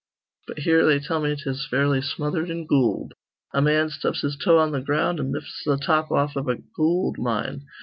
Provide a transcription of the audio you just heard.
But here they tell me 'tis fairly smothered in goold. A man stubs his toe on th' ground, an' lifts th' top off iv a goold mine.